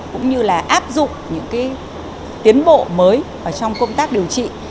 cũng như là áp dụng những tiến bộ mới trong công tác điều trị